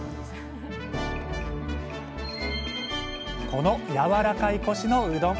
このやわらかいコシのうどん。